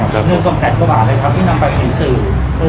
ครับคุณส่งแสดกกว่าเลยครับที่นำไปถึงสื่อ